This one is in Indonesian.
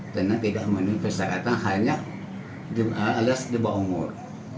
karena tidak menunjukkan syaratan hanya alias dibawa umur